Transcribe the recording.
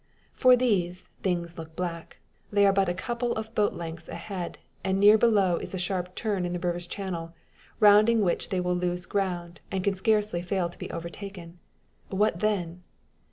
For these, things look black. They are but a couple of boats' length ahead, and near below is a sharp turn in the river's channel; rounding which they will lose ground, and can scarcely fail to be overtaken. What then?